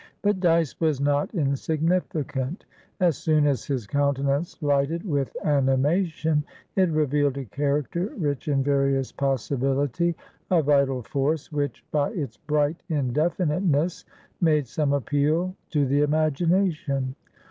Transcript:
But Dyce was not insignificant. As soon as his countenance lighted with animation, it revealed a character rich in various possibility, a vital force which, by its bright indefiniteness, made some appeal to the imagination.